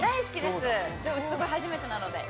でも、初めてなので。